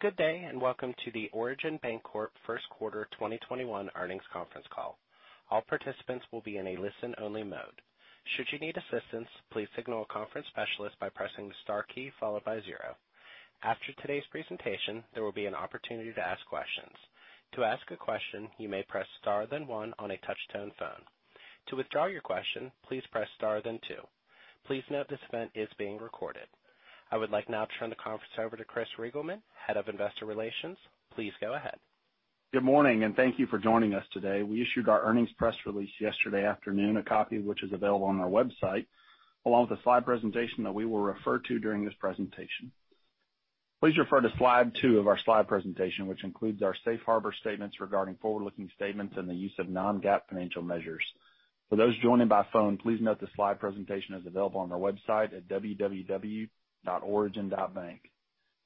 Good day, and welcome to the Origin Bancorp First Quarter 2021 earnings conference call. All participants will be in a listen-only mode. Should you need assistance, please signal a conference specialist by pressing star key followed by zero. After today's presentation, there will be an opportunity to ask questions, to ask a question, you may press star, the one, on a touch-tone phone. To withdraw your question, please press star then two. Please note that this event is being recorded. I would like now to turn the conference over to Chris Reigelman, Head of Investor Relations. Please go ahead. Good morning, and thank you for joining us today. We issued our earnings press release yesterday afternoon, a copy of which is available on our website, along with the slide presentation that we will refer to during this presentation. Please refer to slide two of our slide presentation, which includes our safe harbor statements regarding forward-looking statements and the use of non-GAAP financial measures. For those joining by phone, please note this slide presentation is available on our website at www.origin.bank.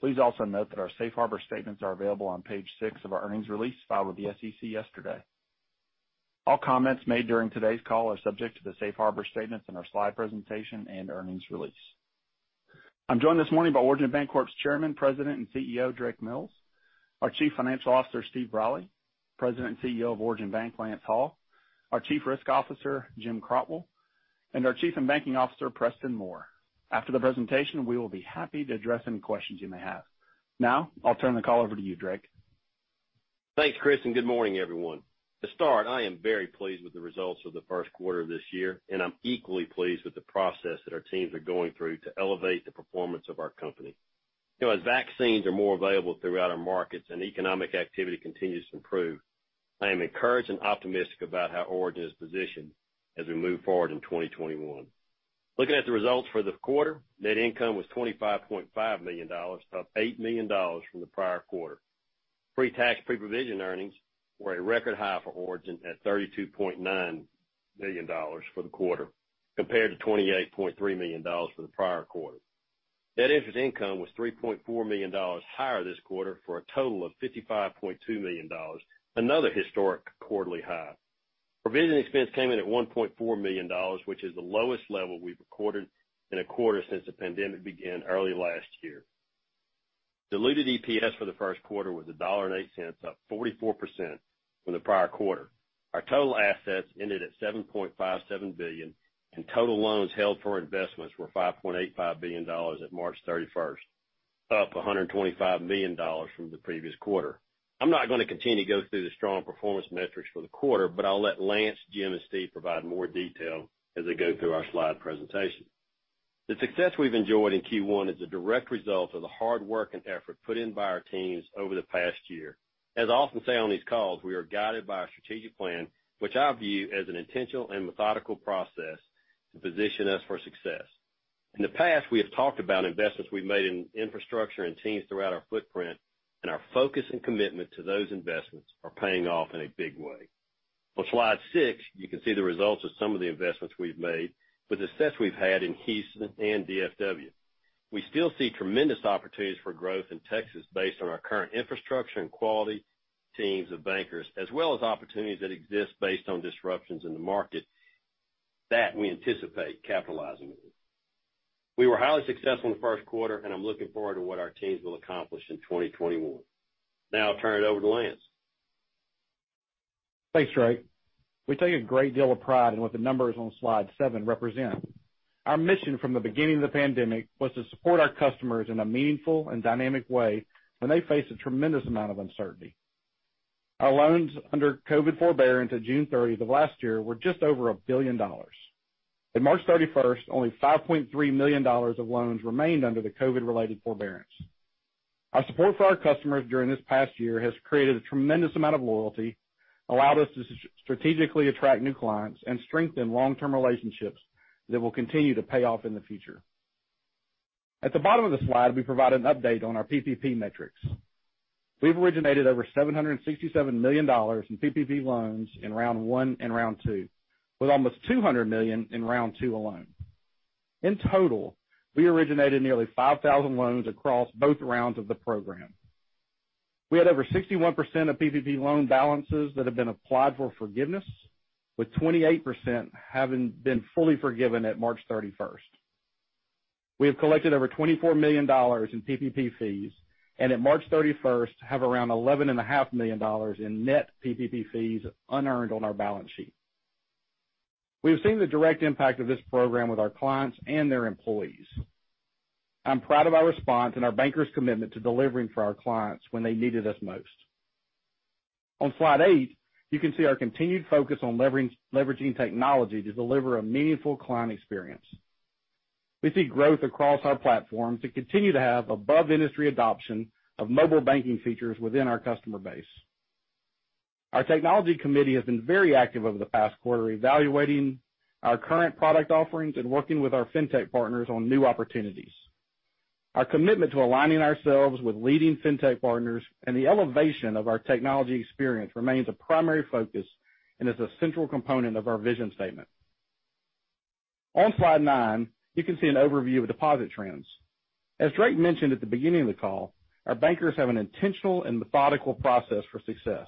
Please also note that our safe harbor statements are available on page six of our earnings release filed with the SEC yesterday. All comments made during today's call are subject to the safe harbor statements in our slide presentation and earnings release. I'm joined this morning by Origin Bancorp's Chairman, President, and CEO, Drake Mills, our Chief Financial Officer, Stephen Brolly, President and CEO of Origin Bank, Lance Hall, our Chief Risk Officer, Jim Crotwell, and our Chief Credit & Banking Officer, Preston Moore. After the presentation, we will be happy to address any questions you may have. Now, I'll turn the call over to you, Drake. Thanks, Chris. Good morning, everyone. To start, I am very pleased with the results of the first quarter this year, and I'm equally pleased with the process that our teams are going through to elevate the performance of our company. As vaccines are more available throughout our markets and economic activity continues to improve, I am encouraged and optimistic about how Origin is positioned as we move forward in 2021. Looking at the results for the quarter, net income was $25.5 million, up $8 million from the prior quarter. Pre-tax, pre-provision earnings were a record high for Origin at $32.9 million for the quarter, compared to $28.3 million for the prior quarter. Net interest income was $3.4 million higher this quarter for a total of $55.2 million, another historic quarterly high. Provision expense came in at $1.4 million, which is the lowest level we've recorded in a quarter since the pandemic began early last year. Diluted EPS for the first quarter was $1.08, up 44% from the prior quarter. Our total assets ended at $7.57 billion, and total loans held for investments were $5.85 billion at March 31st, up $125 million from the previous quarter. I'm not going to continue to go through the strong performance metrics for the quarter, but I'll let Lance, Jim, and Steve provide more detail as they go through our slide presentation. The success we've enjoyed in Q1 is a direct result of the hard work and effort put in by our teams over the past year. As I often say on these calls, we are guided by a strategic plan, which I view as an intentional and methodical process to position us for success. In the past, we have talked about investments we've made in infrastructure and teams throughout our footprint, and our focus and commitment to those investments are paying off in a big way. On slide six, you can see the results of some of the investments we've made with the success we've had in Houston and DFW. We still see tremendous opportunities for growth in Texas based on our current infrastructure and quality teams of bankers, as well as opportunities that exist based on disruptions in the market that we anticipate capitalizing on. We were highly successful in the first quarter, and I'm looking forward to what our teams will accomplish in 2021. Now I'll turn it over to Lance. Thanks, Drake. We take a great deal of pride in what the numbers on slide seven represent. Our mission from the beginning of the pandemic was to support our customers in a meaningful and dynamic way when they faced a tremendous amount of uncertainty. Our loans under COVID forbearance at June 30th of last year were just over $1 billion. At March 31st, only $5.3 million of loans remained under the COVID related forbearance. Our support for our customers during this past year has created a tremendous amount of loyalty, allowed us to strategically attract new clients, and strengthen long-term relationships that will continue to pay off in the future. At the bottom of the slide, we provide an update on our PPP metrics. We've originated over $767 million in PPP loans in round one and round two, with almost $200 million in round two alone. In total, we originated nearly 5,000 loans across both rounds of the program. We had over 61% of PPP loan balances that have been applied for forgiveness, with 28% having been fully forgiven at March 31st. We have collected over $24 million in PPP fees, and at March 31st, have around $11.5 million in net PPP fees unearned on our balance sheet. We have seen the direct impact of this program with our clients and their employees. I'm proud of our response and our bankers' commitment to delivering for our clients when they needed us most. On slide eight, you can see our continued focus on leveraging technology to deliver a meaningful client experience. We see growth across our platform to continue to have above-industry adoption of mobile banking features within our customer base. Our technology committee has been very active over the past quarter, evaluating our current product offerings and working with our fintech partners on new opportunities. Our commitment to aligning ourselves with leading fintech partners and the elevation of our technology experience remains a primary focus and is a central component of our vision statement. On slide nine, you can see an overview of deposit trends. As Drake mentioned at the beginning of the call, our bankers have an intentional and methodical process for success.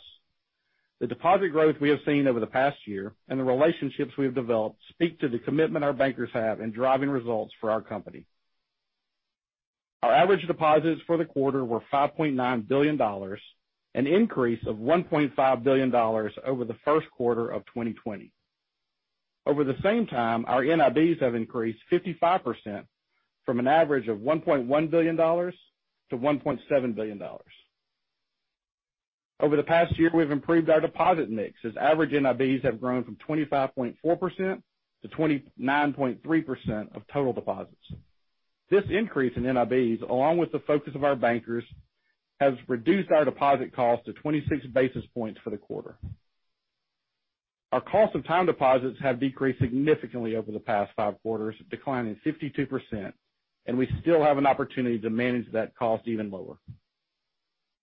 The deposit growth we have seen over the past year and the relationships we have developed speak to the commitment our bankers have in driving results for our company. Our average deposits for the quarter were $5.9 billion, an increase of $1.5 billion over the first quarter of 2020. Over the same time, our NIBs have increased 55%, from an average of $1.1 billion to $1.7 billion. Over the past year, we've improved our deposit mix, as average NIBs have grown from 25.4% to 29.3% of total deposits. This increase in NIBs, along with the focus of our bankers, has reduced our deposit cost to 26 basis points for the quarter. Our cost of time deposits have decreased significantly over the past five quarters, declining 52%, and we still have an opportunity to manage that cost even lower.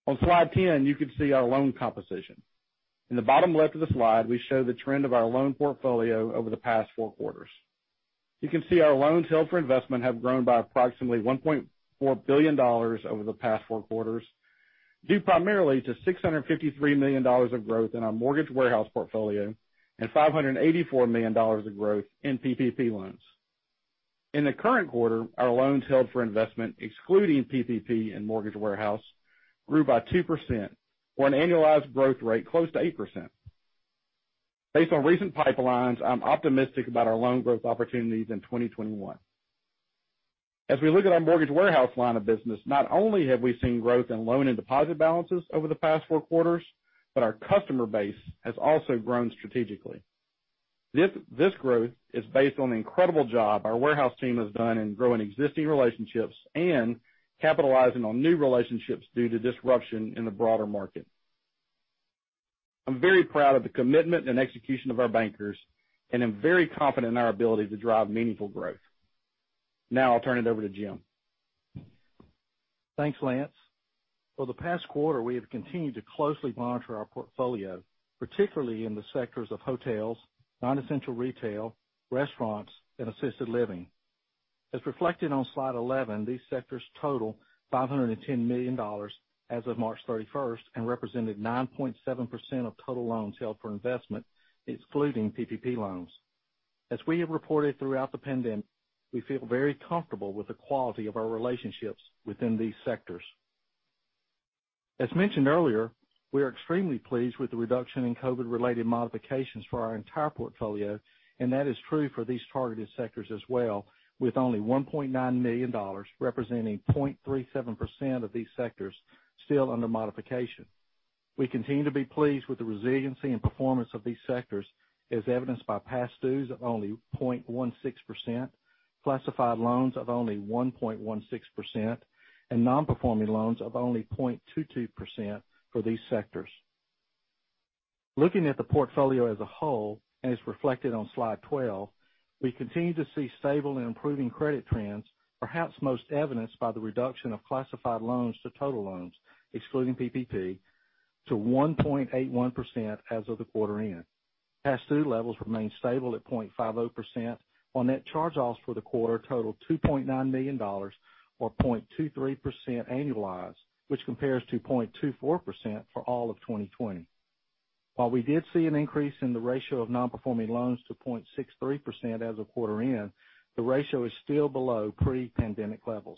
On slide 10, you can see our loan composition. In the bottom left of the slide, we show the trend of our loan portfolio over the past four quarters. You can see our loans held for investment have grown by approximately $1.4 billion over the past four quarters, due primarily to $653 million of growth in our mortgage warehouse portfolio and $584 million of growth in PPP loans. In the current quarter, our loans held for investment, excluding PPP and mortgage warehouse, grew by 2% or an annualized growth rate close to 8%. Based on recent pipelines, I'm optimistic about our loan growth opportunities in 2021. As we look at our mortgage warehouse line of business, not only have we seen growth in loan and deposit balances over the past four quarters, but our customer base has also grown strategically. This growth is based on the incredible job our warehouse team has done in growing existing relationships and capitalizing on new relationships due to disruption in the broader market. I'm very proud of the commitment and execution of our bankers, and I'm very confident in our ability to drive meaningful growth. Now I'll turn it over to Jim. Thanks, Lance. For the past quarter, we have continued to closely monitor our portfolio, particularly in the sectors of hotels, non-essential retail, restaurants, and assisted living. As reflected on slide 11, these sectors total $510 million as of March 31st and represented 9.7% of total loans held for investment, excluding PPP loans. As we have reported throughout the pandemic, we feel very comfortable with the quality of our relationships within these sectors. As mentioned earlier, we are extremely pleased with the reduction in COVID-related modifications for our entire portfolio, and that is true for these targeted sectors as well, with only $1.9 million representing 0.37% of these sectors still under modification. We continue to be pleased with the resiliency and performance of these sectors, as evidenced by past dues of only 0.16%, classified loans of only 1.16%, and non-performing loans of only 0.22% for these sectors. Looking at the portfolio as a whole, as reflected on slide 12, we continue to see stable and improving credit trends, perhaps most evidenced by the reduction of classified loans to total loans, excluding PPP, to 1.81% as of the quarter end. Past due levels remain stable at 0.50% on net charge-offs for the quarter totaled $2.9 million or 0.23% annualized, which compares to 0.24% for all of 2020. While we did see an increase in the ratio of non-performing loans to 0.63% as of quarter end, the ratio is still below pre-pandemic levels.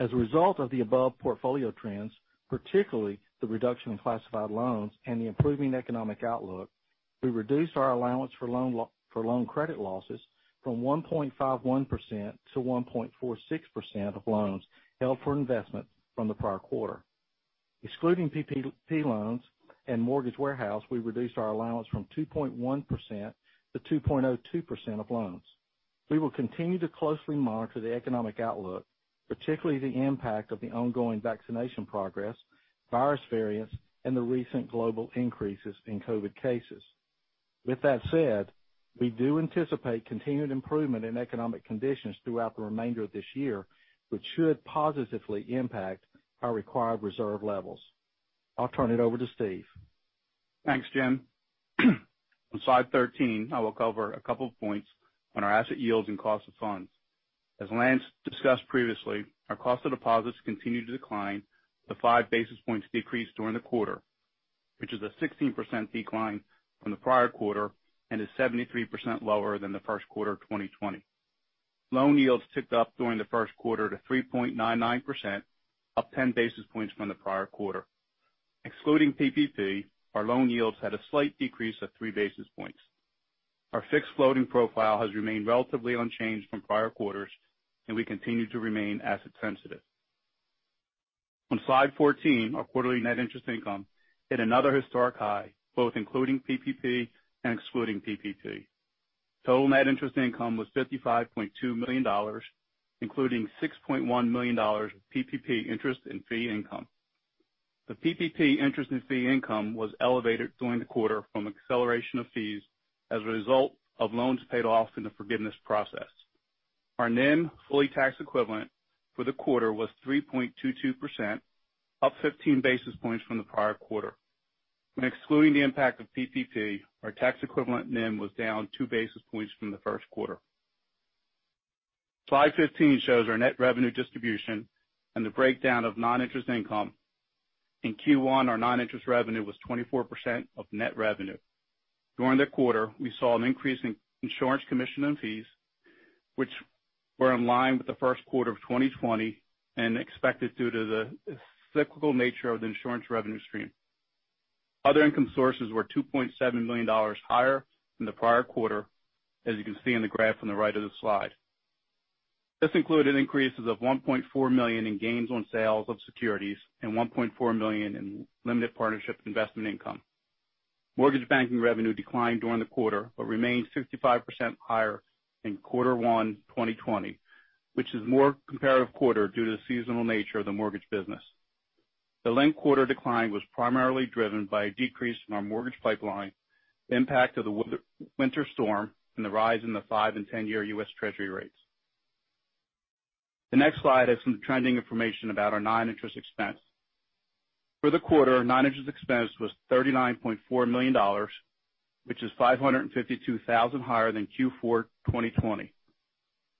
As a result of the above portfolio trends, particularly the reduction in classified loans and the improving economic outlook, we reduced our allowance for loan credit losses from 1.51% to 1.46% of loans held for investment from the prior quarter. Excluding PPP loans and mortgage warehouse, we reduced our allowance from 2.1% to 2.02% of loans. We will continue to closely monitor the economic outlook, particularly the impact of the ongoing vaccination progress, virus variants, and the recent global increases in COVID cases. With that said, we do anticipate continued improvement in economic conditions throughout the remainder of this year, which should positively impact our required reserve levels. I'll turn it over to Steve. Thanks, Jim. On slide 13, I will cover a couple of points on our asset yields and cost of funds. As Lance discussed previously, our cost of deposits continued to decline the 5 basis points decrease during the quarter, which is a 16% decline from the prior quarter and is 73% lower than the first quarter of 2020. Loan yields ticked up during the first quarter to 3.99%, up 10 basis points from the prior quarter. Excluding PPP, our loan yields had a slight decrease of 3 basis points. Our fixed floating profile has remained relatively unchanged from prior quarters, and we continue to remain asset sensitive. On slide 14, our quarterly net interest income hit another historic high, both including PPP and excluding PPP. Total net interest income was $55.2 million, including $6.1 million of PPP interest and fee income. The PPP interest and fee income was elevated during the quarter from acceleration of fees as a result of loans paid off in the forgiveness process. Our NIM fully tax equivalent for the quarter was 3.22%, up 15 basis points from the prior quarter. When excluding the impact of PPP, our tax equivalent NIM was down two basis points from the first quarter. Slide 15 shows our net revenue distribution and the breakdown of non-interest income. In Q1, our non-interest revenue was 24% of net revenue. During the quarter, we saw an increase in insurance commission and fees, which were in line with the first quarter of 2020 and expected due to the cyclical nature of the insurance revenue stream. Other income sources were $2.7 million higher than the prior quarter, as you can see in the graph on the right of the slide. This included increases of $1.4 million in gains on sales of securities and $1.4 million in limited partnership investment income. Mortgage banking revenue declined during the quarter, but remained 65% higher than quarter one 2020, which is a more comparative quarter due to the seasonal nature of the mortgage business. The linked-quarter decline was primarily driven by a decrease in our mortgage pipeline, the impact of the winter storm, and the rise in the five-year and 10-year U.S. Treasury rates. The next slide has some trending information about our noninterest expense. For the quarter, noninterest expense was $39.4 million, which is $552,000 higher than Q4 2020.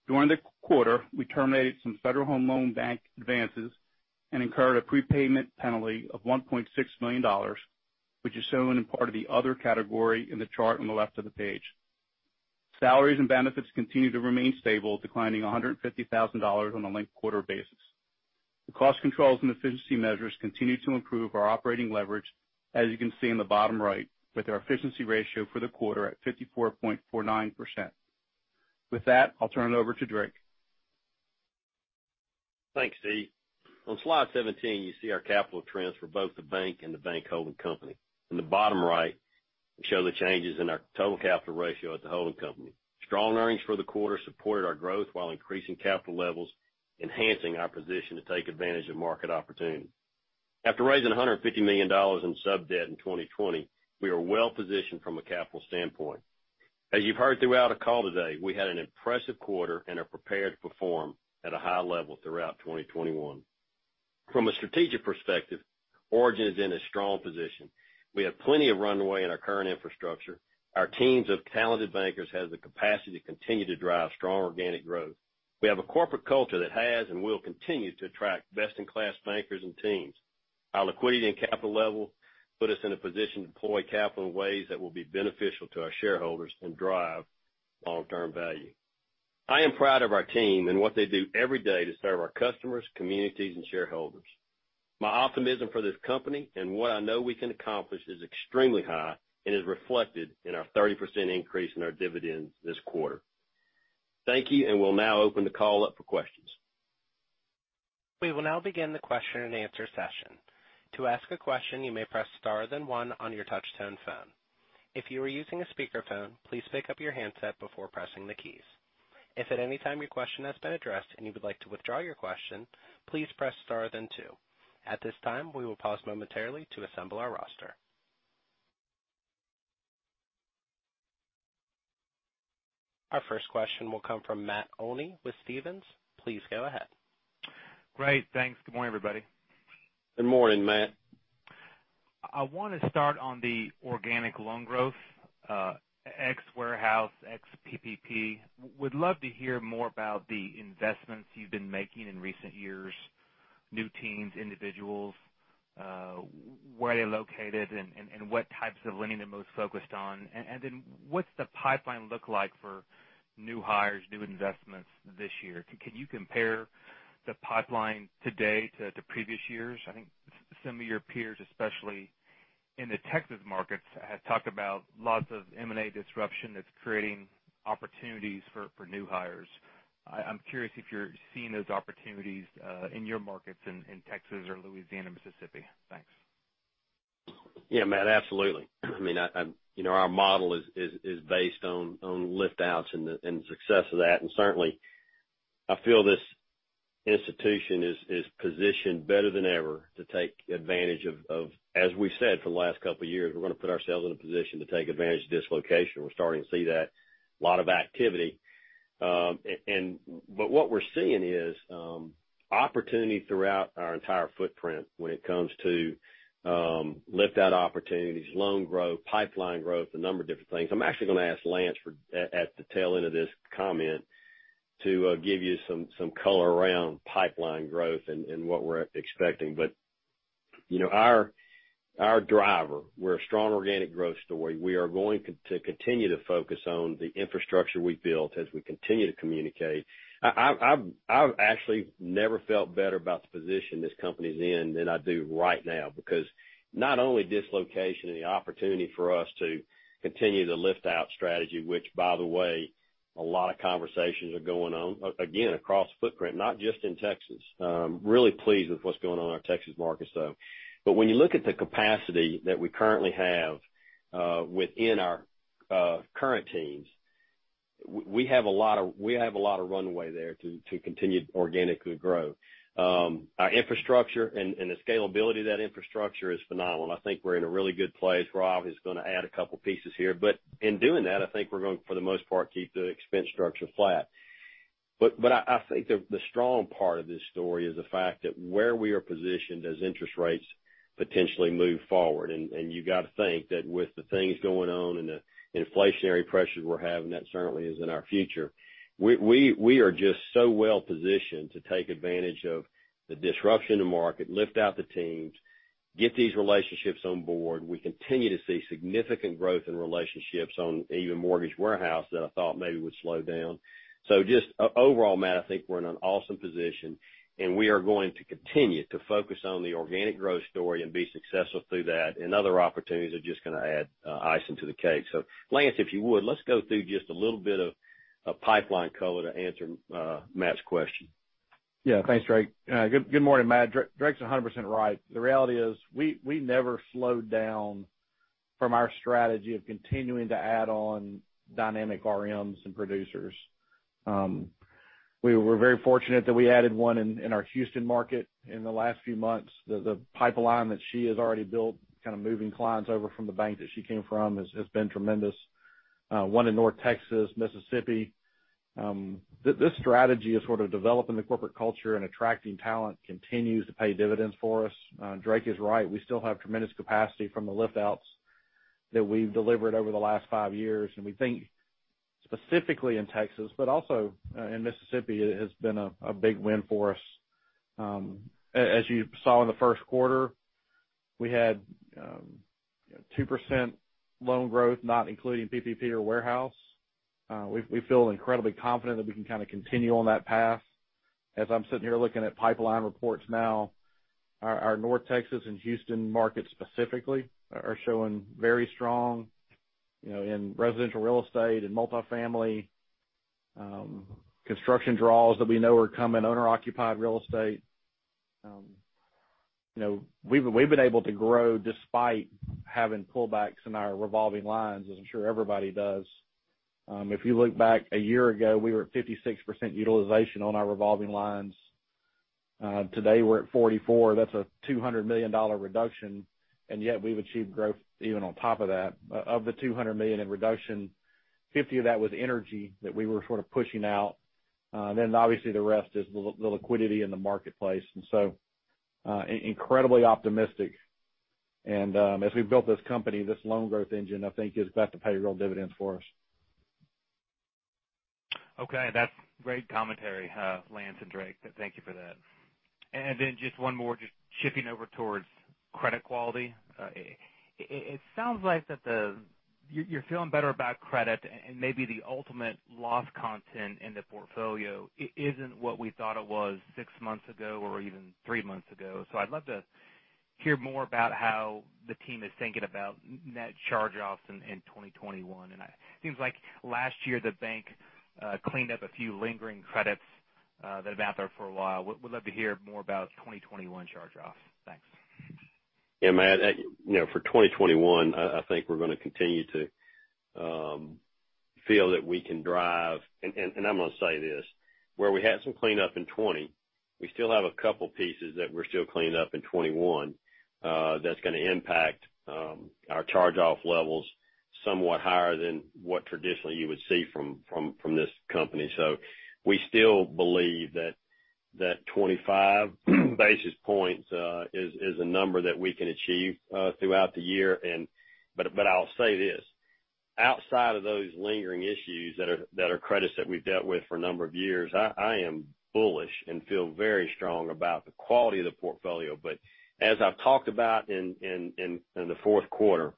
During the quarter, we terminated some Federal Home Loan Bank advances and incurred a prepayment penalty of $1.6 million, which is shown in part of the other category in the chart on the left of the page. Salaries and benefits continue to remain stable, declining $150,000 on a linked-quarter basis. The cost controls and efficiency measures continue to improve our operating leverage, as you can see in the bottom right, with our efficiency ratio for the quarter at 54.49%. With that, I'll turn it over to Drake. Thanks, Steve. On slide 17, you see our capital trends for both the bank and the bank holding company. In the bottom right, we show the changes in our total capital ratio at the holding company. Strong earnings for the quarter supported our growth while increasing capital levels, enhancing our position to take advantage of market opportunities. After raising $150 million in sub-debt in 2020, we are well-positioned from a capital standpoint. As you've heard throughout the call today, we had an impressive quarter and are prepared to perform at a high level throughout 2021. From a strategic perspective, Origin is in a strong position. We have plenty of runway in our current infrastructure. Our teams of talented bankers have the capacity to continue to drive strong organic growth. We have a corporate culture that has and will continue to attract best-in-class bankers and teams. Our liquidity and capital level put us in a position to deploy capital in ways that will be beneficial to our shareholders and drive long-term value. I am proud of our team and what they do every day to serve our customers, communities, and shareholders. My optimism for this company and what I know we can accomplish is extremely high and is reflected in our 30% increase in our dividends this quarter. Thank you, and we'll now open the call up for questions. We will now begin the question and answer session. To ask a question you may press star then one on your touchtone phone. If you are using a speaker phone, pick up your handset before pressing any keys. If at any time your question has been addressed, and you would like to withdraw your question, please press star then two. At this time, we will pause momentarily to assemble our roster. Our first question will come from Matt Olney with Stephens. Please go ahead. Great. Thanks. Good morning, everybody. Good morning, Matt. I want to start on the organic loan growth, ex warehouse, ex PPP. Would love to hear more about the investments you've been making in recent years, new teams, individuals, where they're located, and what types of lending they're most focused on. What's the pipeline look like for new hires, new investments this year? Can you compare the pipeline today to previous years? I think some of your peers, especially in the Texas markets, have talked about lots of M&A disruption that's creating opportunities for new hires. I'm curious if you're seeing those opportunities in your markets in Texas or Louisiana, Mississippi. Thanks. Yeah, Matt, absolutely. Our model is based on lift-outs and the success of that. Certainly, I feel this institution is positioned better than ever to take advantage of, as we've said for the last couple of years, we're going to put ourselves in a position to take advantage of dislocation. We're starting to see that. A lot of activity. What we're seeing is opportunity throughout our entire footprint when it comes to lift-out opportunities, loan growth, pipeline growth, a number of different things. I'm actually going to ask Lance at the tail end of this comment to give you some color around pipeline growth and what we're expecting. Our driver, we're a strong organic growth story. We are going to continue to focus on the infrastructure we've built as we continue to communicate. I've actually never felt better about the position this company's in than I do right now, because not only dislocation and the opportunity for us to continue the lift-out strategy, which by the way, a lot of conversations are going on, again, across footprint, not just in Texas. I'm really pleased with what's going on in our Texas markets, though. When you look at the capacity that we currently have within our current teams, we have a lot of runway there to continue to organically grow. Our infrastructure and the scalability of that infrastructure is phenomenal, and I think we're in a really good place. Lance is going to add a couple pieces here, but in doing that, I think we're going to, for the most part, keep the expense structure flat. I think the strong part of this story is the fact that where we are positioned as interest rates potentially move forward. You've got to think that with the things going on and the inflationary pressures we're having, that certainly is in our future. We are just so well-positioned to take advantage of the disruption to market, lift out the teams, get these relationships on board. We continue to see significant growth in relationships on even mortgage warehouse that I thought maybe would slow down. Just overall, Matt, I think we're in an awesome position, and we are going to continue to focus on the organic growth story and be successful through that. Other opportunities are just going to add icing to the cake. Lance, if you would, let's go through just a little bit of a pipeline color to answer Matt's question. Thanks, Drake. Good morning, Matt. Drake's 100% right. The reality is, we never slowed down from our strategy of continuing to add on dynamic RMs and producers. We were very fortunate that we added one in our Houston market in the last few months. The pipeline that she has already built, kind of moving clients over from the bank that she came from, has been tremendous. One in North Texas, Mississippi. This strategy of sort of developing the corporate culture and attracting talent continues to pay dividends for us. Drake is right. We still have tremendous capacity from the lift-outs that we've delivered over the last five years, and we think specifically in Texas, but also in Mississippi, it has been a big win for us. As you saw in the first quarter, we had 2% loan growth, not including PPP or warehouse. We feel incredibly confident that we can kind of continue on that path. As I'm sitting here looking at pipeline reports now, our North Texas and Houston markets specifically are showing very strong in residential real estate and multifamily, construction draws that we know are coming, owner-occupied real estate. We've been able to grow despite having pullbacks in our revolving lines, as I'm sure everybody does. If you look back a year ago, we were at 56% utilization on our revolving lines. Today, we're at 44%. That's a $200 million reduction, yet we've achieved growth even on top of that. Of the $200 million in reduction, $50 million of that was energy that we were sort of pushing out. Obviously, the rest is the liquidity in the marketplace, and so incredibly optimistic. As we've built this company, this loan growth engine, I think, is about to pay real dividends for us. That's great commentary, Lance and Drake. Thank you for that. Just one more, just shifting over towards credit quality. It sounds like that you're feeling better about credit and maybe the ultimate loss content in the portfolio isn't what we thought it was six months ago or even three months ago. I'd love to hear more about how the team is thinking about net charge-offs in 2021. It seems like last year, the bank cleaned up a few lingering credits that have been out there for a while. Would love to hear more about 2021 charge-offs. Thanks. Yeah, Matt. For 2021, I think we're going to continue to feel that we can drive I'm going to say this, where we had some cleanup in 2020, we still have a couple pieces that we're still cleaning up in 2021. That's going to impact our charge-off levels somewhat higher than what traditionally you would see from this company. We still believe that 25 basis points is a number that we can achieve throughout the year. I'll say this, outside of those lingering issues that are credits that we've dealt with for a number of years, I am bullish and feel very strong about the quality of the portfolio. As I've talked about in the fourth quarter,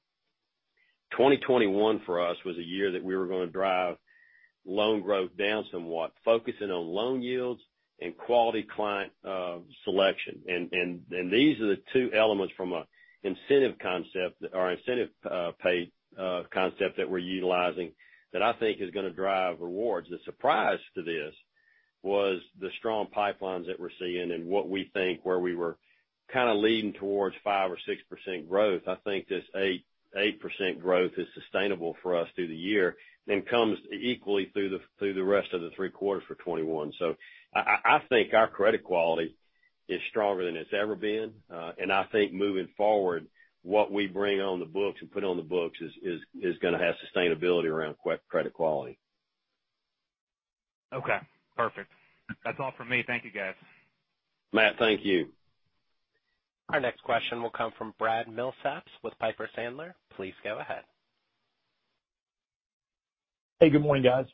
2021 for us was a year that we were going to drive loan growth down somewhat, focusing on loan yields and quality client selection. These are the two elements from an incentive concept, or incentive pay concept that we're utilizing that I think is going to drive rewards. The surprise to this was the strong pipelines that we're seeing and what we think where we were kind of leaning towards 5% or 6% growth. I think this 8% growth is sustainable for us through the year and comes equally through the rest of the three quarters for 2021. I think our credit quality is stronger than it's ever been. I think moving forward, what we bring on the books and put on the books is going to have sustainability around credit quality. Okay, perfect. That's all from me. Thank you, guys. Matt, thank you. Our next question will come from Brad Milsaps with Piper Sandler. Please go ahead. Hey, good morning, guys.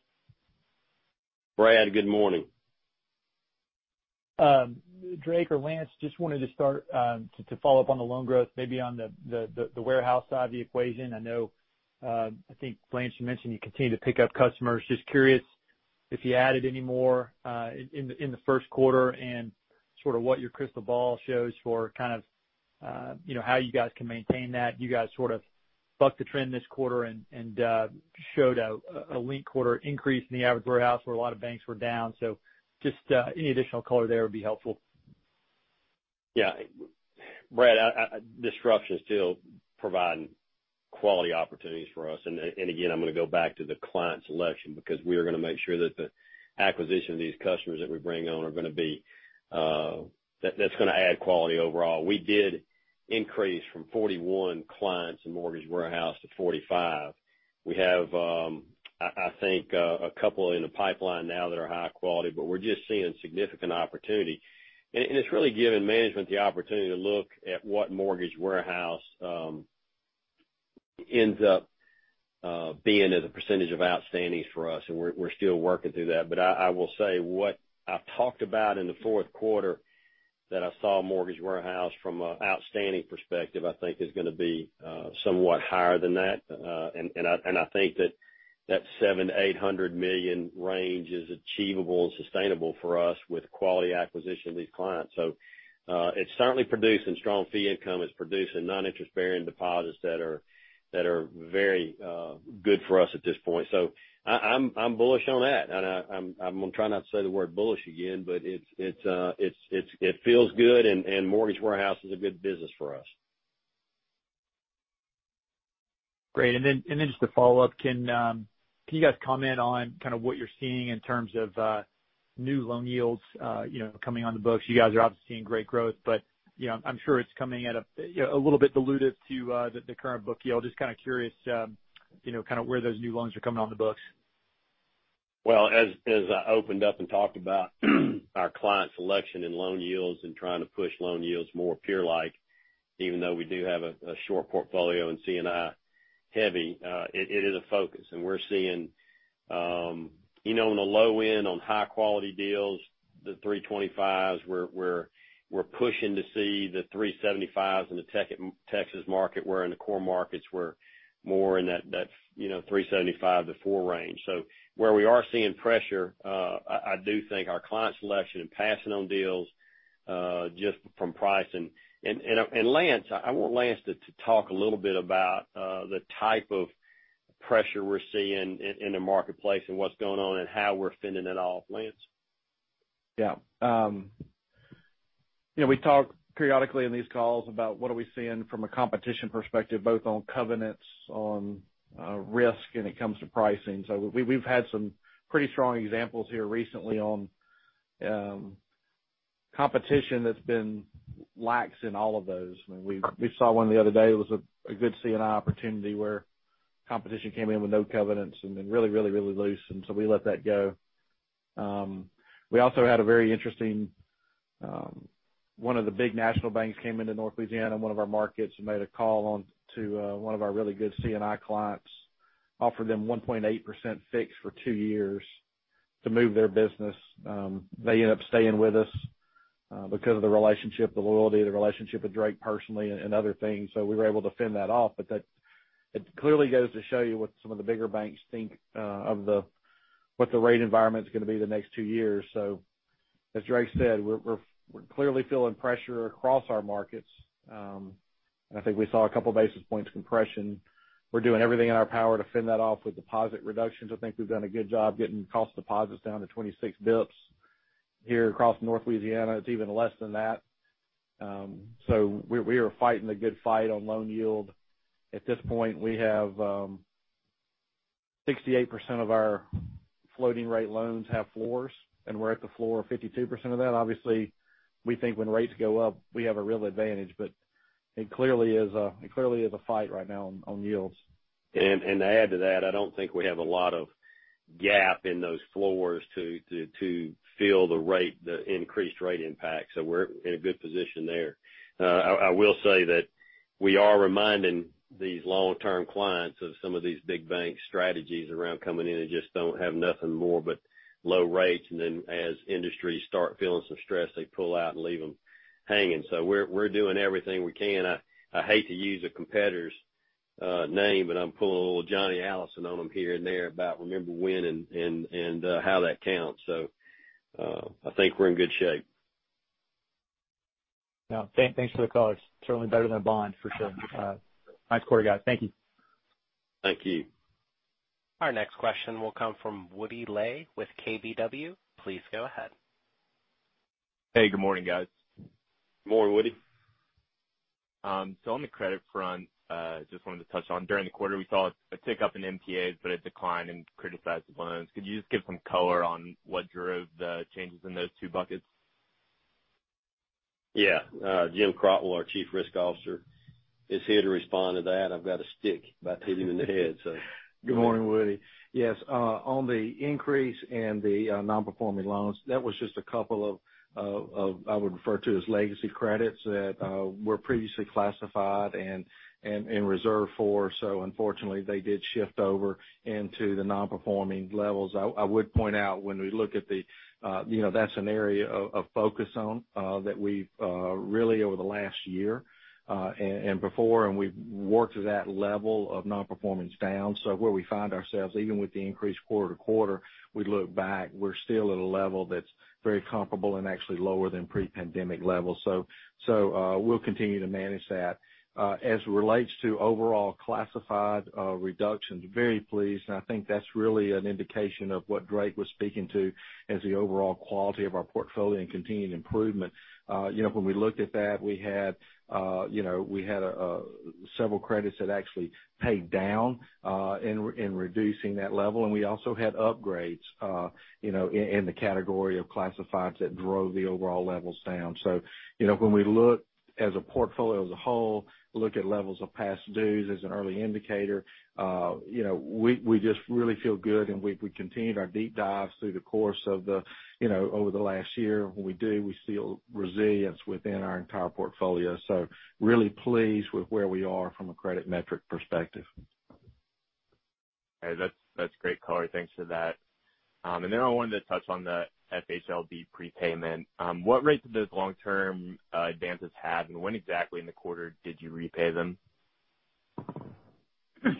Brad, good morning. Drake or Lance, just wanted to start to follow up on the loan growth, maybe on the warehouse side of the equation. I know, I think Lance, you mentioned you continue to pick up customers. Just curious if you added any more in the first quarter and sort of what your crystal ball shows for kind of how you guys can maintain that. You guys sort of bucked the trend this quarter and showed a link quarter increase in the average warehouse where a lot of banks were down. Just any additional color there would be helpful. Yeah. Brad, disruption is still providing quality opportunities for us. Again, I'm going to go back to the client selection because we are going to make sure that the acquisition of these customers that we bring on that's going to add quality overall. We did increase from 41 clients in mortgage warehouse to 45. We have, I think, a couple in the pipeline now that are high quality, we're just seeing significant opportunity. It's really given management the opportunity to look at what mortgage warehouse ends up being as a percentage of outstandings for us, we're still working through that. I will say what I've talked about in the fourth quarter, that I saw mortgage warehouse from an outstanding perspective, I think, is going to be somewhat higher than that. I think that $700 million, $800 million range is achievable and sustainable for us with quality acquisition of these clients. It's certainly producing strong fee income, it's producing non-interest-bearing deposits that are very good for us at this point. I'm bullish on that. I'm going to try not to say the word bullish again, but it feels good and mortgage warehouse is a good business for us. Great. Just a follow-up. Can you guys comment on kind of what you're seeing in terms of new loan yields coming on the books? You guys are obviously seeing great growth, but I'm sure it's coming at a little bit dilutive to the current book yield. Just kind of curious where those new loans are coming on the books. Well, as I opened up and talked about our client selection and loan yields and trying to push loan yields more peer-like, even though we do have a short portfolio and C&I heavy, it is a focus. We're seeing on the low end, on high-quality deals, the 3.25%, we're pushing to see the 3.75% in the Texas market, where in the core markets, we're more in that 3.75%-4% range. Where we are seeing pressure, I do think our client selection and passing on deals, just from pricing. Lance, I want Lance to talk a little bit about the type of pressure we're seeing in the marketplace and what's going on and how we're fending it off. Lance? Yeah. We talk periodically in these calls about what are we seeing from a competition perspective, both on covenants, on risk, and it comes to pricing. We've had some pretty strong examples here recently on competition that's been lax in all of those. I mean, we saw one the other day, it was a good C&I opportunity where competition came in with no covenants and then really loose, we let that go. We also had a very interesting, one of the big national banks came into North Louisiana, one of our markets, and made a call on to one of our really good C&I clients, offered them 1.8% fixed for two years to move their business. They ended up staying with us because of the relationship, the loyalty, the relationship with Drake personally and other things, we were able to fend that off. That clearly goes to show you what some of the bigger banks think of what the rate environment's going to be the next two years. As Drake said, we're clearly feeling pressure across our markets. I think we saw a couple basis points compression. We're doing everything in our power to fend that off with deposit reductions. I think we've done a good job getting cost deposits down to 26 basis points. Here across North Louisiana, it's even less than that. We are fighting the good fight on loan yield. At this point, we have 68% of our floating rate loans have floors, and we're at the floor of 52% of that. Obviously, we think when rates go up, we have a real advantage, but it clearly is a fight right now on yields. To add to that, I don't think we have a lot of gap in those floors to feel the increased rate impact, so we're in a good position there. I will say that we are reminding these long-term clients of some of these big bank strategies around coming in and just don't have nothing more but low rates, and then as industries start feeling some stress, they pull out and leave them hanging. We're doing everything we can. I hate to use a competitor's name, but I'm pulling a little Johnny Allison on them here and there about remember when and how that counts. I think we're in good shape. Yeah. Thanks for the color. It's certainly better than a bond, for sure. Nice quarter, guys. Thank you. Thank you. Our next question will come from Woody Ley with KBW. Please go ahead. Hey, good morning, guys. Good morning, Woody. On the credit front, just wanted to touch on, during the quarter, we saw a tick up in NPAs, but a decline in criticizable loans. Could you just give some color on what drove the changes in those two buckets? Yeah. Jim Crotwell, our Chief Risk Officer, is here to respond to that. I've got a stick about to hit him in the head. Good morning, Woody. Yes. On the increase in the non-performing loans, that was just a couple of, I would refer to as legacy credits that were previously classified and reserved for. Unfortunately, they did shift over into the non-performing levels. I would point out when we look at that's an area of focus on, that we've, really over the last year, and before, and we've worked that level of non-performance down. Where we find ourselves, even with the increase quarter to quarter, we look back, we're still at a level that's very comparable and actually lower than pre-pandemic levels. We'll continue to manage that. As it relates to overall classified reductions, very pleased, and I think that's really an indication of what Drake was speaking to as the overall quality of our portfolio and continued improvement. When we looked at that, we had several credits that actually paid down in reducing that level. We also had upgrades in the category of classifieds that drove the overall levels down. When we look as a portfolio as a whole, look at levels of past dues as an early indicator, we just really feel good, and we continued our deep dives through the course over the last year. When we do, we see a resilience within our entire portfolio. Really pleased with where we are from a credit metric perspective. Hey, that's great, color. Thanks for that. I wanted to touch on the FHLB prepayment. What rates did those long-term advances have, and when exactly in the quarter did you repay them?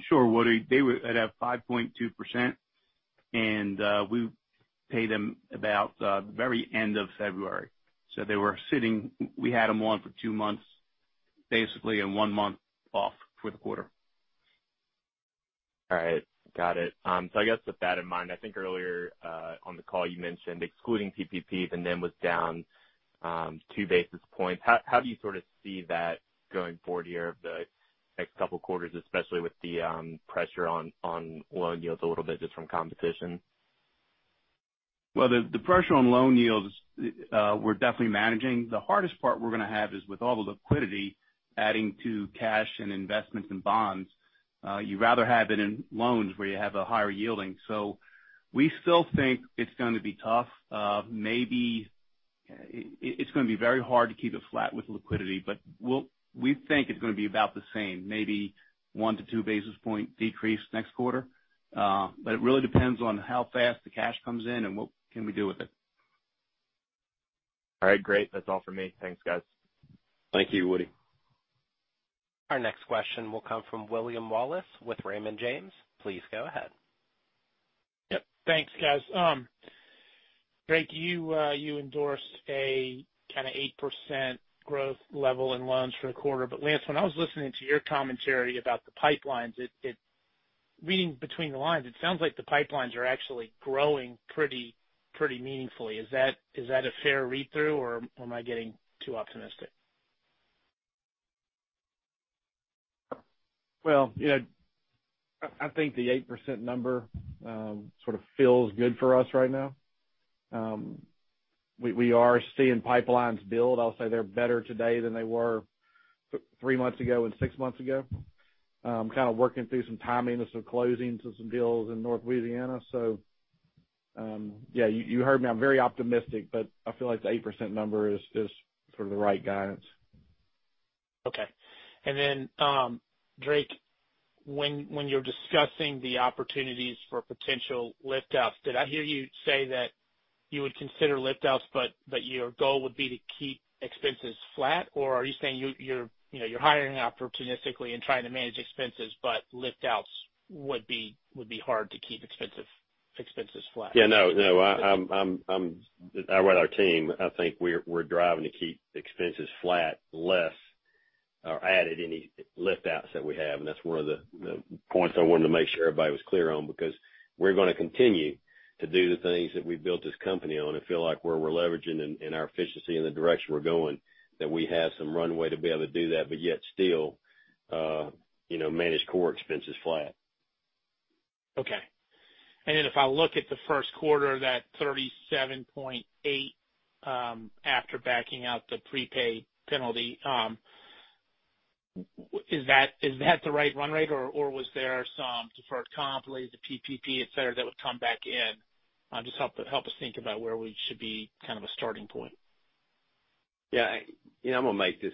Sure, Woody. They were at a 5.2%. We paid them about the very end of February. We had them on for two months, basically, and one month off for the quarter. All right. Got it. I guess with that in mind, I think earlier, on the call, you mentioned excluding PPP, the NIM was down two basis points. How do you sort of see that going forward here the next couple of quarters, especially with the pressure on loan yields a little bit just from competition? Well, the pressure on loan yields, we're definitely managing. The hardest part we're going to have is with all the liquidity adding to cash and investments in bonds. You'd rather have it in loans where you have a higher yielding. We still think it's going to be tough. Maybe it's going to be very hard to keep it flat with liquidity, but we think it's going to be about the same, maybe one to two basis point decrease next quarter. It really depends on how fast the cash comes in and what can we do with it. All right, great. That's all for me. Thanks, guys. Thank you, Woody. Our next question will come from William Wallace with Raymond James. Please go ahead. Yep. Thanks, guys. Drake, you endorsed a kind of 8% growth level in loans for the quarter. Lance, when I was listening to your commentary about the pipelines, reading between the lines, it sounds like the pipelines are actually growing pretty meaningfully. Is that a fair read-through, or am I getting too optimistic? Well, I think the 8% number sort of feels good for us right now. We are seeing pipelines build. I'll say they're better today than they were three months ago and six months ago. Kind of working through some timing of some closings of some deals in North Louisiana. Yeah, you heard me, I'm very optimistic, but I feel like the 8% number is sort of the right guidance. Okay. Drake, when you're discussing the opportunities for potential lift-outs, did I hear you say that you would consider lift-outs, but your goal would be to keep expenses flat? Are you saying you're hiring opportunistically and trying to manage expenses, but lift-outs would be hard to keep expenses flat? Yeah, no. With our team, I think we're driving to keep expenses flat, less, or add any lift-outs that we have. That's one of the points I wanted to make sure everybody was clear on, because we're going to continue to do the things that we built this company on and feel like where we're leveraging and our efficiency and the direction we're going, that we have some runway to be able to do that, but yet still manage core expenses flat. Okay. If I look at the first quarter, that $37.8, after backing out the prepaid penalty. Is that the right run rate, or was there some deferred comp related to PPP, et cetera, that would come back in? Just help us think about where we should be kind of a starting point. Yeah. I'm going to make this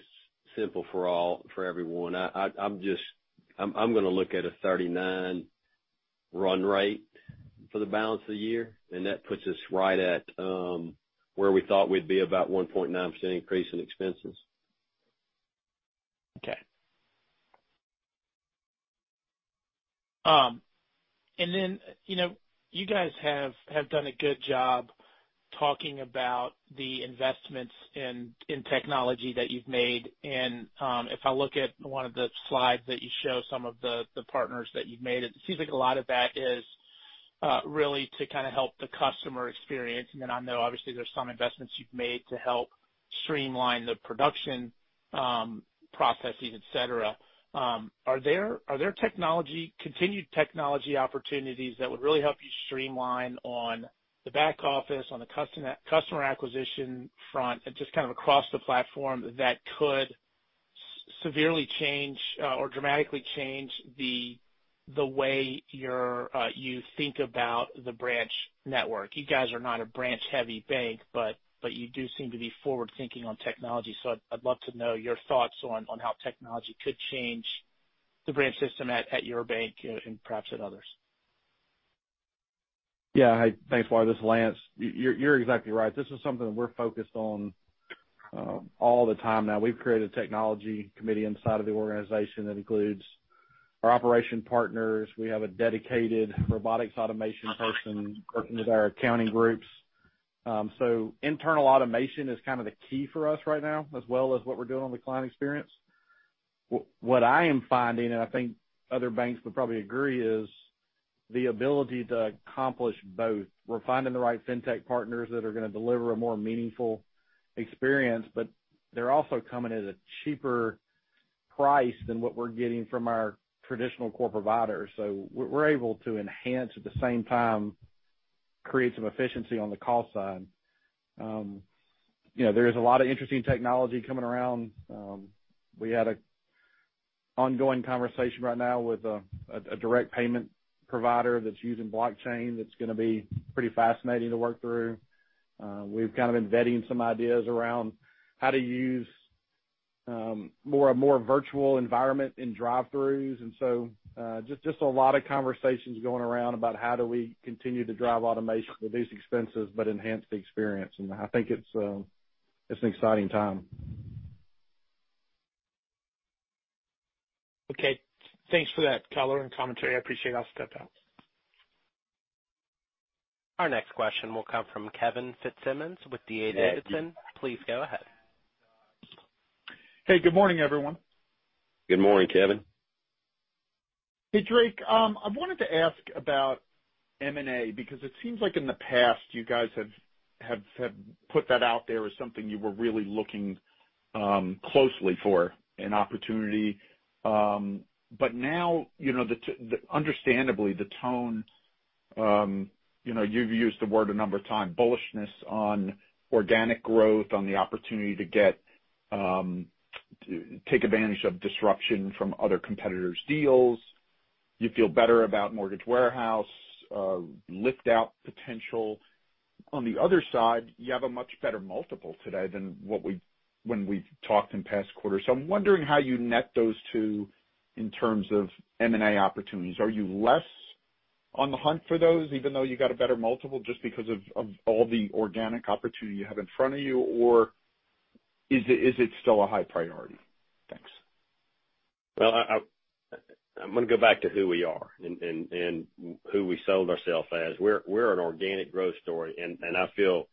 simple for everyone. I'm going to look at a 39 run rate for the balance of the year, and that puts us right at where we thought we'd be, about 1.9% increase in expenses. Okay. You guys have done a good job talking about the investments in technology that you've made. If I look at one of the slides that you show some of the partners that you've made, it seems like a lot of that is really to kind of help the customer experience. I know obviously there's some investments you've made to help streamline the production processes, et cetera. Are there continued technology opportunities that would really help you streamline on the back office, on the customer acquisition front, and just kind of across the platform that could severely change or dramatically change the way you think about the branch network? You guys are not a branch-heavy bank, but you do seem to be forward-thinking on technology. I'd love to know your thoughts on how technology could change the branch system at your bank and perhaps at others. Yeah. Thanks, Wallace. This is Lance. You're exactly right. This is something we're focused on all the time now. We've created a technology committee inside of the organization that includes our operation partners. We have a dedicated robotics automation person working with our accounting groups. Internal automation is kind of the key for us right now, as well as what we're doing on the client experience. What I am finding, and I think other banks would probably agree, is the ability to accomplish both. We're finding the right fintech partners that are going to deliver a more meaningful experience, but they're also coming at a cheaper price than what we're getting from our traditional core providers. We're able to enhance at the same time, create some efficiency on the call side. There is a lot of interesting technology coming around. We had an ongoing conversation right now with a direct payment provider that's using blockchain that's going to be pretty fascinating to work through. We've kind of been vetting some ideas around how to use more virtual environment in drive-throughs. Just a lot of conversations going around about how do we continue to drive automation, reduce expenses, but enhance the experience. I think it's an exciting time. Okay. Thanks for that color and commentary. I appreciate it. I'll step out. Our next question will come from Kevin Fitzsimmons with D.A. Davidson. Please go ahead. Hey, good morning, everyone. Good morning, Kevin. Hey, Drake. I wanted to ask about M&A because it seems like in the past you guys have put that out there as something you were really looking closely for an opportunity. Now, understandably, the tone, you've used the word a number of times, bullishness on organic growth, on the opportunity to take advantage of disruption from other competitors' deals. You feel better about mortgage warehouse, lift-out potential. On the other side, you have a much better multiple today than when we talked in past quarters. I'm wondering how you net those two in terms of M&A opportunities. Are you less on the hunt for those, even though you got a better multiple just because of all the organic opportunity you have in front of you, or is it still a high priority? Thanks. Well, I'm going to go back to who we are and who we sold ourselves as. We're an organic growth story. I feel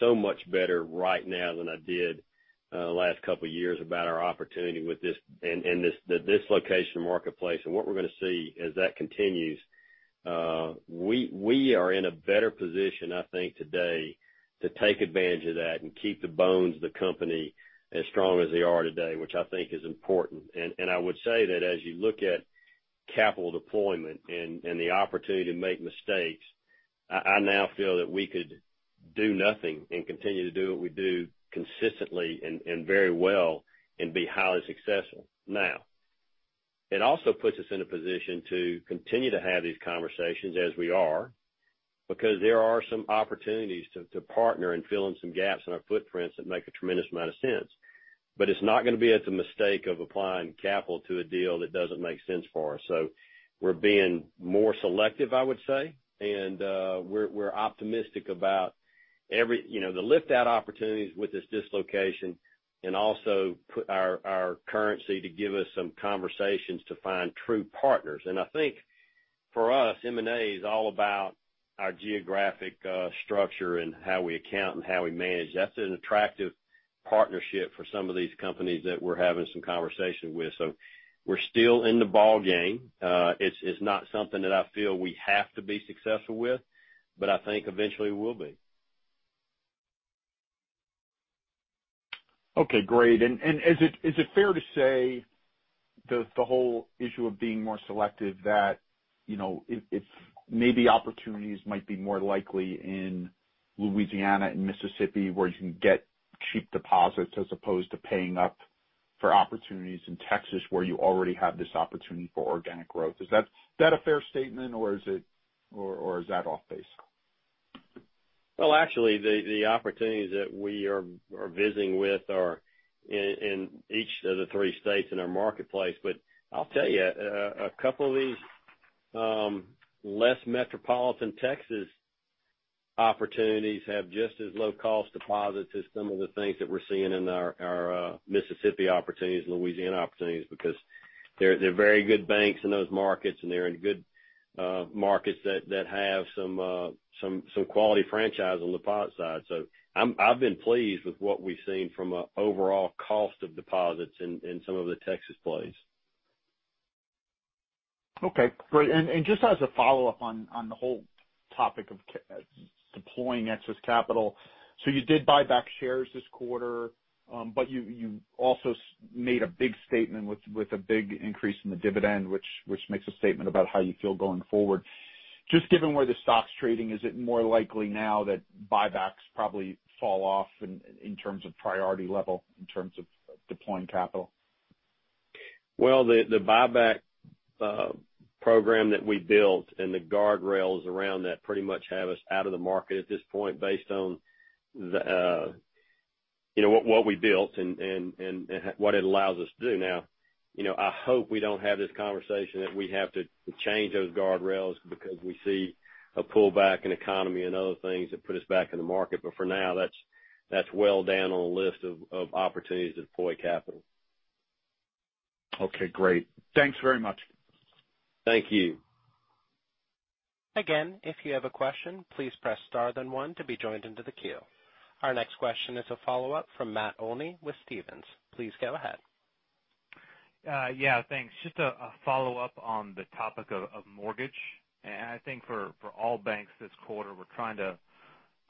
so much better right now than I did the last couple of years about our opportunity with this and the dislocation marketplace and what we're going to see as that continues. We are in a better position, I think today, to take advantage of that and keep the bones of the company as strong as they are today, which I think is important. I would say that as you look at capital deployment and the opportunity to make mistakes, I now feel that we could do nothing and continue to do what we do consistently and very well and be highly successful. It also puts us in a position to continue to have these conversations as we are, because there are some opportunities to partner and fill in some gaps in our footprints that make a tremendous amount of sense. It's not going to be at the mistake of applying capital to a deal that doesn't make sense for us. We're being more selective, I would say, and we're optimistic about the lift-out opportunities with this dislocation and also put our currency to give us some conversations to find true partners. I think for us, M&A is all about our geographic structure and how we account and how we manage. That's an attractive partnership for some of these companies that we're having some conversation with. We're still in the ball game. It's not something that I feel we have to be successful with, but I think eventually we'll be. Okay, great. Is it fair to say the whole issue of being more selective that maybe opportunities might be more likely in Louisiana and Mississippi where you can get cheap deposits as opposed to paying up for opportunities in Texas where you already have this opportunity for organic growth? Is that a fair statement or is that off base? Actually, the opportunities that we are visiting with are in each of the three states in our marketplace. I'll tell you, a couple of these less metropolitan Texas opportunities have just as low cost deposits as some of the things that we're seeing in our Mississippi opportunities and Louisiana opportunities because they're very good banks in those markets and they're in good markets that have some quality franchise on deposit side. I've been pleased with what we've seen from an overall cost of deposits in some of the Texas plays. Okay, great. Just as a follow-up on the whole topic of deploying excess capital. You did buy back shares this quarter, but you also made a big statement with a big increase in the dividend, which makes a statement about how you feel going forward. Given where the stock's trading, is it more likely now that buybacks probably fall off in terms of priority level, in terms of deploying capital? Well, the buyback program that we built and the guardrails around that pretty much have us out of the market at this point based on what we built and what it allows us to do now. I hope we don't have this conversation that we have to change those guardrails because we see a pullback in economy and other things that put us back in the market. For now, that's well down on the list of opportunities to deploy capital. Okay, great. Thanks very much. Thank you. If you have a question, please press star then one to be joined into the queue. Our next question is a follow-up from Matt Olney with Stephens. Please go ahead. Yeah, thanks. I think for all banks this quarter, we're trying to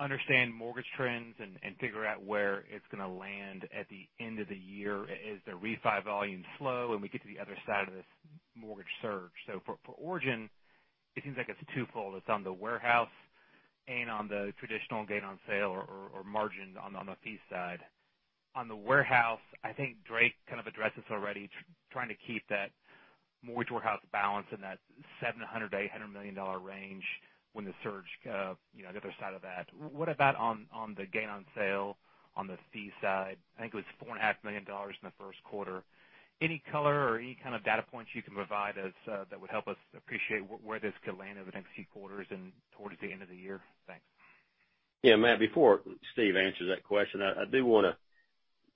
understand mortgage trends and figure out where it's going to land at the end of the year as the refi volumes slow and we get to the other side of this mortgage surge. For Origin, it seems like it's twofold. It's on the warehouse and on the traditional gain on sale or margin on the fee side. On the warehouse, I think Drake kind of addressed this already, trying to keep that mortgage warehouse balance in that $700 million-$800 million range when the surge, the other side of that. What about on the gain on sale on the fee side? I think it was $4.5 million in the first quarter. Any color or any kind of data points you can provide us that would help us appreciate where this could land over the next few quarters and towards the end of the year? Thanks. Matt, before Steve answers that question, I do want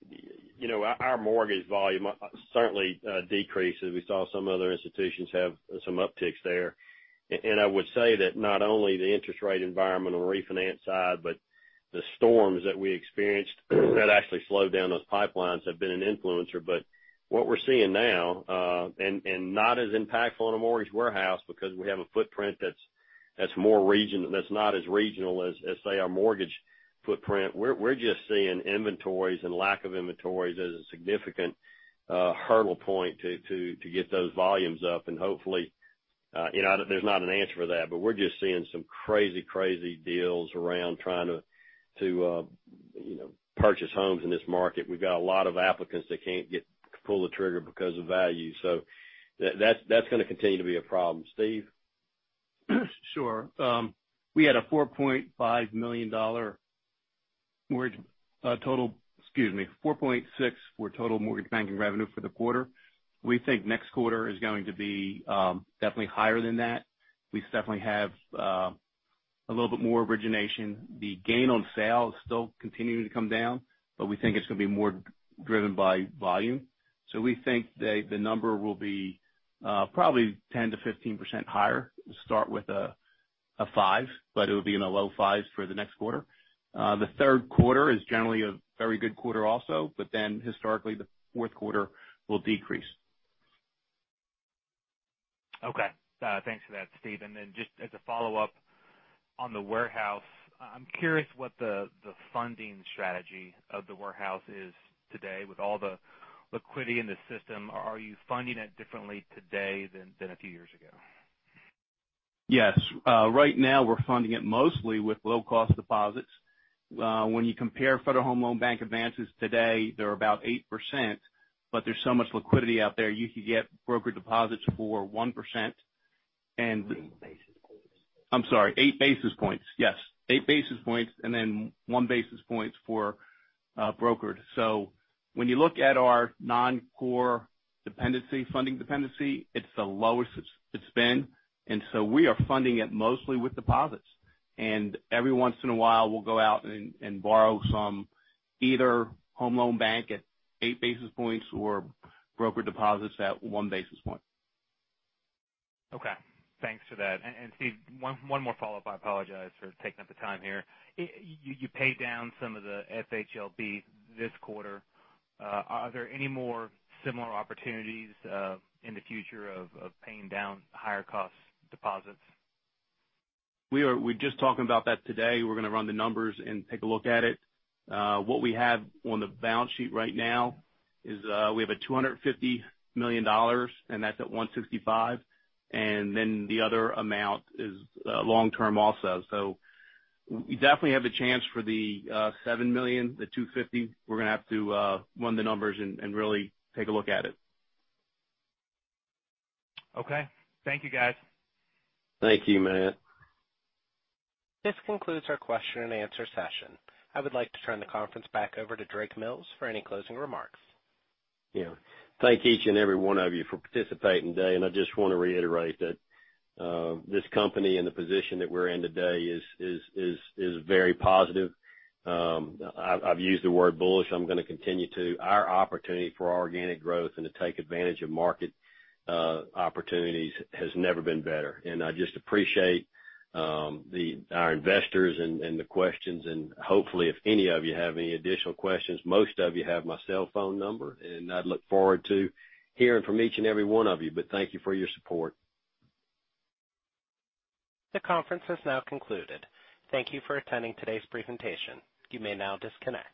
to Our mortgage volume certainly decreased as we saw some other institutions have some upticks there. I would say that not only the interest rate environment on the refinance side, but the storms that we experienced that actually slowed down those pipelines have been an influencer. What we're seeing now, and not as impactful on a mortgage warehouse because we have a footprint that's not as regional as, say, our mortgage footprint. We're just seeing inventories and lack of inventories as a significant hurdle point to get those volumes up and hopefully, there's not an answer for that. We're just seeing some crazy deals around trying to purchase homes in this market. We've got a lot of applicants that can't pull the trigger because of value. That's going to continue to be a problem. Steve? Sure. We had $4.6 million for total mortgage banking revenue for the quarter. We think next quarter is going to be definitely higher than that. We definitely have a little bit more origination. The gain on sale is still continuing to come down, but we think it's going to be more driven by volume. We think that the number will be probably 10%-15% higher, start with a 5, but it'll be in the low 5s for the next quarter. The third quarter is generally a very good quarter also, but then historically, the fourth quarter will decrease. Okay. Thanks for that, Steve. Just as a follow-up on the warehouse, I'm curious what the funding strategy of the warehouse is today with all the liquidity in the system. Are you funding it differently today than a few years ago? Yes. Right now we're funding it mostly with low-cost deposits. When you compare Federal Home Loan Bank advances today, they're about 8%. There's so much liquidity out there, you could get brokered deposits for 1%. Eight basis points. I'm sorry, 8 basis points. Yes, 8 basis points and then 1 basis point for brokered. When you look at our non-core funding dependency, it's the lowest it's been, and so we are funding it mostly with deposits. Every once in a while, we'll go out and borrow some, either Home Loan Bank at 8 basis points or brokered deposits at 1 basis point. Okay. Thanks for that. Steve, one more follow-up. I apologize for taking up the time here. You paid down some of the FHLB this quarter. Are there any more similar opportunities in the future of paying down higher cost deposits? We were just talking about that today. We're going to run the numbers and take a look at it. What we have on the balance sheet right now is, we have a $250 million, and that's at 1.65%, and then the other amount is long-term also. We definitely have a chance for the $7 million, the $250. We're going to have to run the numbers and really take a look at it. Okay. Thank you, guys. Thank you, Matt. This concludes our question and answer session. I would like to turn the conference back over to Drake Mills for any closing remarks. Thank each and every one of you for participating today, and I just want to reiterate that this company and the position that we're in today is very positive. I've used the word bullish. I'm going to continue to. Our opportunity for organic growth and to take advantage of market opportunities has never been better. I just appreciate our investors and the questions, and hopefully, if any of you have any additional questions, most of you have my cell phone number, and I look forward to hearing from each and every one of you. Thank you for your support. The conference has now concluded. Thank you for attending today's presentation. You may now disconnect.